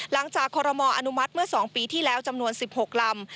คอรมออนุมัติเมื่อ๒ปีที่แล้วจำนวน๑๖ลำ